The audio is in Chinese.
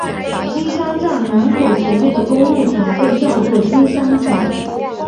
金山站南口前面的公路桥被叫做金山桥。